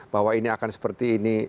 bahwa ini akan seperti ini